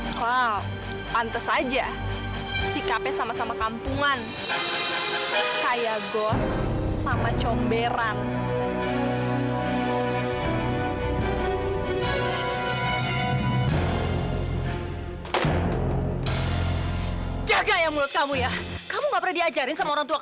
kenapa saya harus ganti sih pak